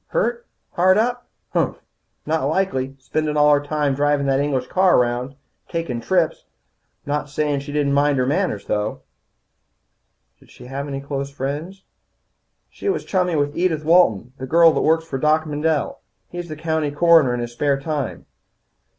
"Hurt, hard up? Humph! Not likely, spendin' all her time drivin' that English car around. Takin' trips. I'm not sayin' she didn't mind her manners, though." "Did she have any close friends?" "She was chummy with Edith Walton, the girl that works for Doc Mendel. He's county coroner in his spare time.